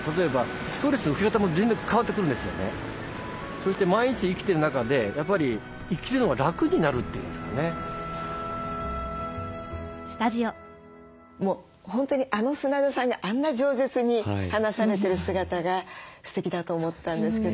そして毎日生きている中でやっぱり本当にあの砂田さんがあんな冗舌に話されてる姿がすてきだと思ったんですけど。